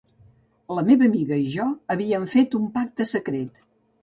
La meva amiga i jo havíem fet un pacte secret.